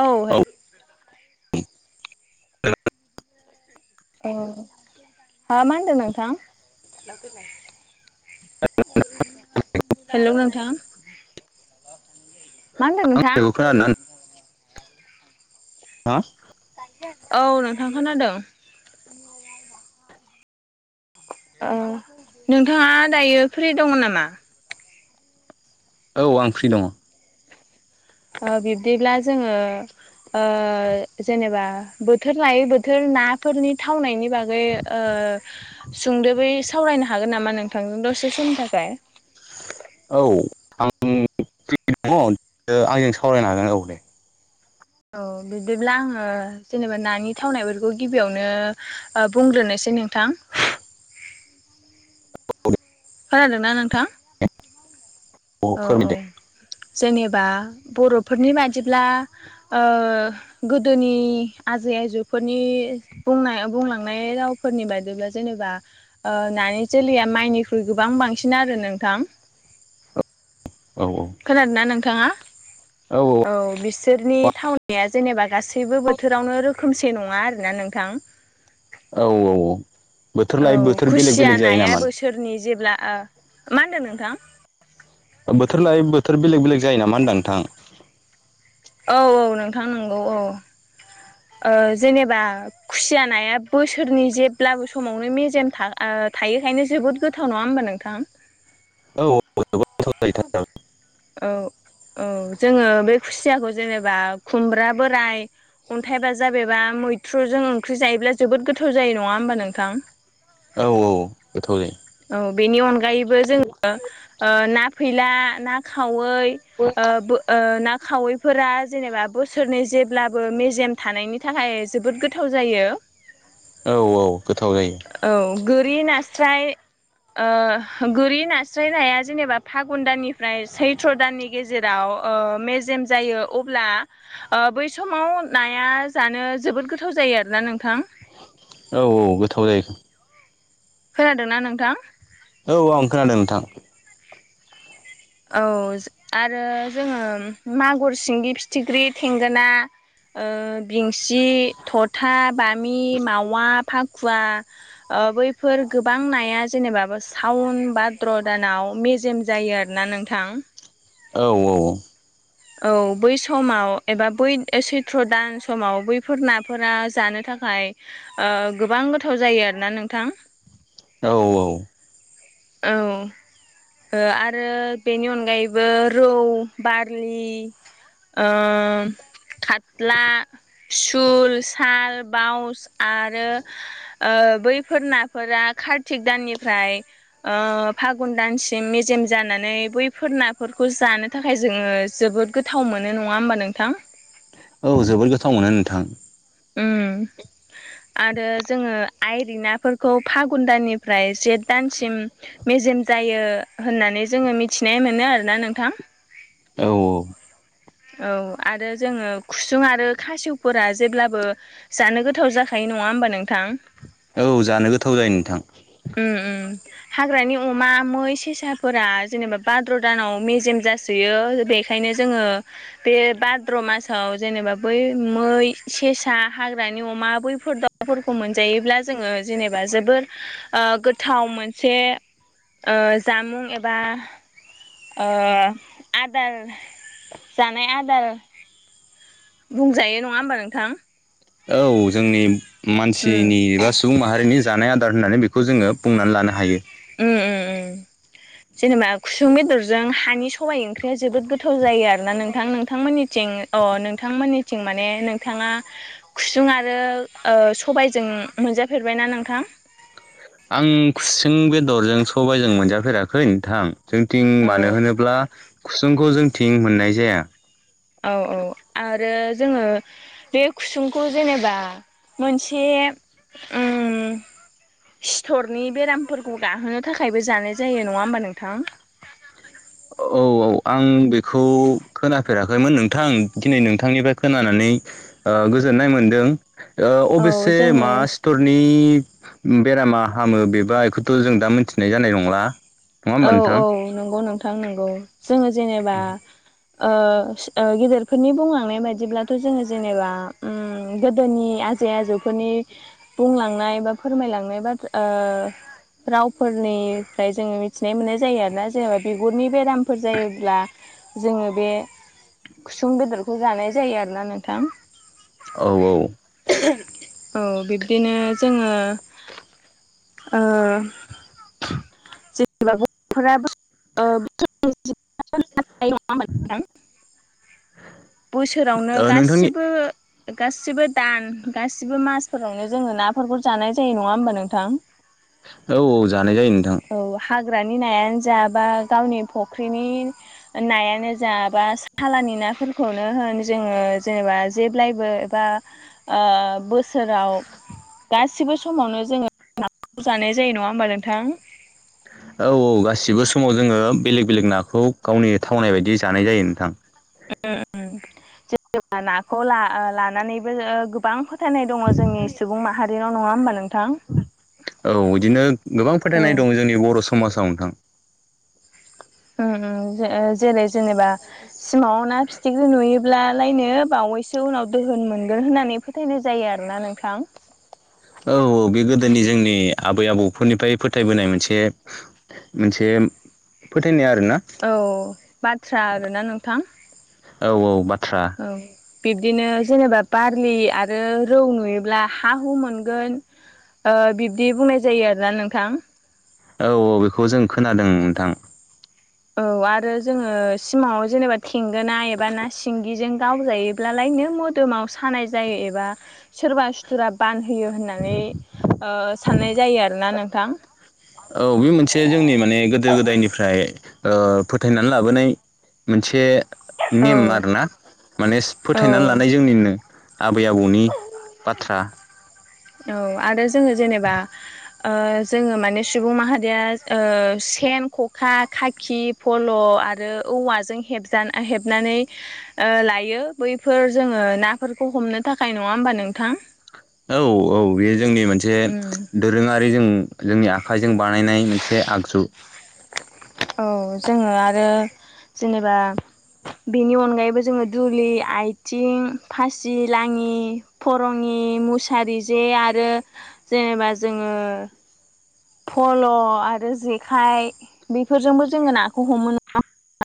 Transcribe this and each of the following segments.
औ। ओ मा मा होनदों नोंथां? हेलौ नोंथां। मा होनदों नोंथां? आंनिखौ खोनादोंना हा औ नोंथां खोनादों ओ नोंथाङा दायो फ्रि दङ नामा औ आं फ्रि दङ ओ बिब्दिब्ला जोङो ओ जेनेबा बोथोर लायै बोथोर नाफोरनि थावनायनि बागै ओ सुंदोबै साव फरायनो हागोन नामा नोंथांजों दसे समनि थाखाय औ आं दङ आंजों सावरायनो हागोन औ दे औ बिदिब्ला आङो जेनेबा नानि थावनायफोरखौ गिबियावनो बुंग्रोनोसै सै नोंथां खोनादोंना नोंथां औ औ जेनेबा बरफोरनि बादिब्ला ओ गोदोनि आजै आजौफोरनि बुंनाय बुंलांनाय रावफोरनि बाददिब्ला जेनेबा ओ ना नि जोलैया माइनिख्रुइ गोबां बांसिन आरो नोंथां औ खोनादोंना नोंथाङा औ बिसोरनि थावनाया जेनेबा गासै गासैबो बोथोरावनो रोखोमसे नङा आरोना नोंथां औ औ बोथोर औ लायै बोथोर बेलेग खुसिया बेलेग जायो नाया नामा? बोसोरनि जेब्ला ओ मा होनदों नोंथां बोथोर लाय बोथोर बेलेग बेलेग जायो नामा होनदां नोंथां औ औ नोंथां नंगौ औ ओ जेनेबा खुसिया नाया बोसोरनि जेब्लाबो समावनो मेजेम था थायोखायनो जोबोद गोथाव नङा होमबा नोंथां औ गोथाव जायोथार [unintelligible] औ औ जोङो बे खु खुसियाखौ जेनेबा खुमब्रा बोराय अन्थाइबाजाब एबा मैथ्रुजों ओंख्रि जायोब्ला जोबोद गोथाव जायो नङा होमबा नोंथां औ औ गोथाव जायो बेनि अनगायैबो जोङो ओ ना फैला ना वै ओ बो ओ ना खावैफोरा जेनेबा बोसोरनै जेब्लाबो मेजेम थानायनि थाखाय जोबोद गोथाव जायो औ औ गोथाव जायो औ गोरि नास्राय ओ गोरि नास्राय नाया जेनेबा फागुनदाननि ओमफ्राय सैथ्र दाननि गेजेराव ओ मेजेम जायो अब्ला बै समाव नाया जानो जोबोद गोथाव जायो आरोना नोंथां औ औ गोथाव जायो खोनादोंना नोंथां औ आं खोनादों नोंथां औ आरो जोङो मागुर सिंगि फिथिख्रि थेंगोना ओ बिंसि थथा बामि मावा फाखुवा ओ बैफोर गोबां नाया जेनेबाबा सावन भाद्र दानाव अ मेजेम जायो आरोना नोंथां औ औ औ औ बै समाव एबा बैद सैथ्र दान समाव बैफोर नाफोरा जानो थाख थाखाय ओह गोबां गोथाव जायो आरोना नोंथां औ औ ओ आरो बेनि अनगायैबो रौ बारलि ओम खात्ला सुल साल बाउस आरो ओ ओ बैफोर नाफोरा खार्तिक दाननिफ्राय ओ फागुन दानसिम मेजेम जानानै बैफोर नाफोरखौ जानो थाखाय जोङो जोबोद गोथाव मोनो नङा होमबा नोंथां औ जोबोर गोथाव मोनो नोंथां उम आरो जोङो आइरि नाफोरखौ फागुन दाननिफ्राय जेठ दानसिम मेस जेम जायो होननानै जोङो मिथिनाय मोनो आरोना नोंथां औ औ औ आरो जोङो खुसुं आरो खासिवफोरा जेब्लाबो जानो गोथाव जाखायो नङा होमबा नोंथां औ जानो गोथाव जायो नोंथां उम उम हाग्रानि अमा मै सेसाफोरा जेनेबा बाद्र' दानाव मेजेम जासोयो बे खायनो जोङो बे बाद्र' मासाव जेनेबा बै मै सेसा हाग्रा नि अमा बैफोर दाउफोरखौ मोनजायोब्ला जोङो जेनेबा जोबोर ओ गोथाव मोनसे ओ जामुं एबा ओह आदार जानाय आदार बुंजायो नङा होमबा नोंथां औ जोंनि उम मानसिनि एबा सुबुं माहारिनि जानाय आदार होननानै बेखौ जोङो बुंनानै लानो हायो उम उम उम जेनेबा खुसुं बेदरजों हानि साबाइ ओंख्रिया जोबोद गोथाव जायो आरो ना नोंथां नोंथांमोननिथिं अ नोंथांमोननिथिं माने नोंथाङा खुसुं आरो ओह स सबायजों मोनजाफेरबायना नोंथां आं खुसों बेदरजों सबायजों मोनजाफेराखै नोंथां जों थिं औ मानो होनोब्ला खुसुंखौ जों थिं मोननाय जाया औ औ आरो जोङो बे खुसुंखौ जेनेबा मोनसे उम सिथरनि बेरामफोरखौ गाहोनो थाखायबो जानाय जायो नङा होमबा नोंथां द [inaudible] औ औ आं बेखौ खोनाफेराखैमोन नोंथां दिनै नोंथांनिफ्राय खोनानानै नै ओह गोजोननाय मोनदों ओ औ अबेसे जोङो मा सितरनि बेरामा हामो बेबा एखोथ' जों दा मोनथिनाय जानाय नंला नङा होमबा औ नोंथां औ नंगौ नोंथां नोंगौ जोङो जेनेबा ओ फिस ओ गेदेरफोरनि बुंलांनाय बायदिब्लाथ' जोङो जेनेबा उम उम गोदोनि आजै आजौफोरनि बुंलांनाय बा फोरमायलांनाय बाथ ओ रावफोरनि फ्राय जोङो मि थिनाय मोननाय जायो आरोना जेनेबा बिगुरनि बेरामफोर जायोब्ला जोङो बे खुसुं बेदरखौ जानाय जायो आरोना नोंथां औ औ औ बिब्दिनो जोङो ओ जे [unintelligible] [unintelligible] बोसोरावनो ओ नोंथांनि गासिबो गासिबो दान गासिबो मासफोरावनो जोङो नाफोरखौ जानाय जायो नङा होमबा नोंथां? औ औ जानाय जायो नोंथां ‌। औ हाग्रानि नायानो जा बा गावनि फुख्रिनि नायानो जा बा सालानि नाफोरखौनो होन जोङो जेनेबा जेब्लायबो एबा ओ बोसोराव आव गासिबो समावनो जोङो नाखौ जानाय जायो नङा होमबा नोंथां? औ औ गासिबो समाव जोङो बेलेग बेलेग नाखौ गावनि थावनाय बायदि जानाय जायो नोंथां । उम जेनबा नाखौ ला लानानैबो गोबां फोथायनाय दङ जोंनि सुबुं माहारिनाव नङा होनोमबा नों औ इदिनो गोबां औ फोथायनाय दं जोंनि बर' समाजाव नोंथां। उम उम जेरै जेनेबा सिमांआव ना फि थिख्रि नुयोब्लालायनो बावैसो उनाव दोहोन मोनगोन होननानै फोथायनाय जायो आरोना नोंथां। [inaudible] औ औ बे गोदोनि जोंनि आबै आबौफोरनिफ्राय फोथायबोनाय मोनसे मोनसे फोथायनाया औ बाथ्रा आरोना नोंथां औ । बिब्दिनो जेनेबा बारलि आरो रौ नुयोब्ला हा हु मोनगोन । ओ बिब्दि बुंनाय जायो आरोना नोंथां। औ औ बेखौ जों खोनादों नोंथां । औ आरो जोङो सिमाङाव जेनेबा थेंगोना एबा ना सिंगिजों गावजायोब्लालाय नो मोदोमाव सानाय जायो एबा सोरबा सुथुरा बानहोयो होननानै ओ साननाय जायो आरोना नोंथां। औ बे मोनसे जोंनि माने गोदो गोदायनिफ्राय ओ फोथायनानै लाबोनाय मोनसे नेम औ आरोना माने औ फोथायनानै लानाय जोंनिनो। आबै आबौनि बाथ्रा। औ आरो जोङो जेनेबा ओ जोङो माने सुबुं माहारिया ओ सेन ख'खा खाखि फल' आरो औवाजों हेबजानाय हेबनानै ओ लायो बैफोर जोंङो नाफोरखौ हमनो थाखाय नङा होमबा नोंथां? औ औ बेयो जोंनि मोनसे उम दोरोङारि जों जोंनि आखाइजों बानायनाय मोनसे आगजु । औ जोङो आरो जेनेबा बेनि अनगायैबो जोङो दुलि आथिं फासि लाङि फरङि मुसारि जे आरो जेनेबा जोङो फल' आरो जेखाइ बेफोरजोंबो जोङो नाखौ हमो नंङा होमब्ला?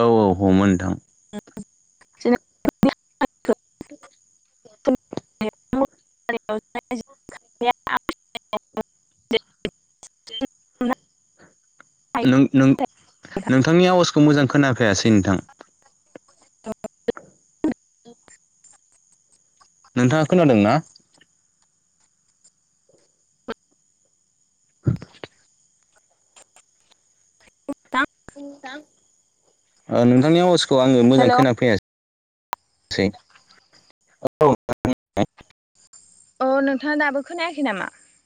औ औ हमो नोंथां। [unintelligible] [inaudible] [unintelligible] [unintelligible] [unintelligible] नों नों नोंथांनि आवाजखौ मोजां खोनाफायासै नोंथां । नोंथाङा खोनादों ना? नोंथांनि आवाजखौ आङो मोजां हेल' खोनाफैसै । सै औ [unintelligible] अ नोंथाङा दाबो खोनायाखै नामा?